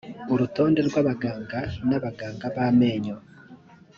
urutonde rw abaganga n abaganga b amenyo